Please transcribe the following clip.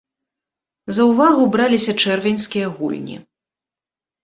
За ўвагу браліся чэрвеньскія гульні.